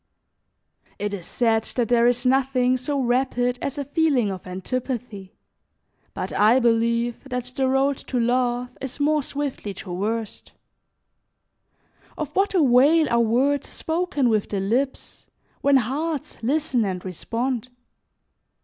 It is said that there is nothing so rapid as a feeling of antipathy, but I believe that the road to love is more swiftly traversed. Of what avail are words spoken with the lips when hearts listen and respond?